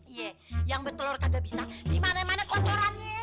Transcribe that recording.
iya yang bertelur kagak bisa dimana mana koncorannya